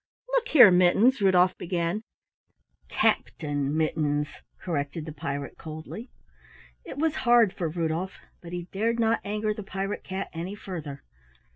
"Look here, Mittens," Rudolf began. "Captain Mittens," corrected the pirate coldly. It was hard for Rudolf, but he dared not anger the pirate cat any further.